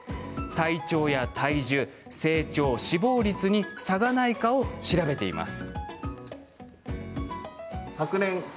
体長、体重、成長、死亡率に差がないかを調べているんです。